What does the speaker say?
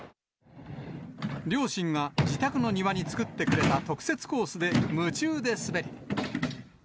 両親が自宅の庭に作ってくれた特設コースで夢中で滑り。